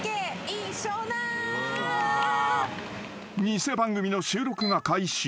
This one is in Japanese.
［偽番組の収録が開始。